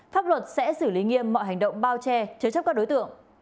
pháp luật sẽ xử lý nghiêm mọi hành động bao che chứa chấp các đối tượng